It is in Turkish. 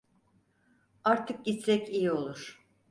Artık gitsek iyi olur.